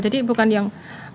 jadi bukan yang